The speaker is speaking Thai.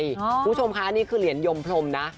คุณผู้ชมคะนี่คือเหรียญยมพรมนะ